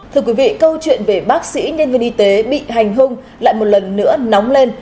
thưa quý vị câu chuyện về bác sĩ nhân viên y tế bị hành hung lại một lần nữa nóng lên